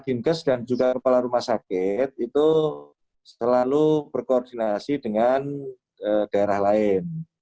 dinkes dan juga kepala rumah sakit itu selalu berkoordinasi dengan daerah lain